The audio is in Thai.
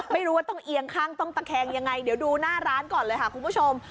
ไม่รู้ว่าต้องเอียงข้างต้องตะแคงยังไงเดี๋ยวดูหน้าร้านก่อนเลยค่ะคุณผู้ชม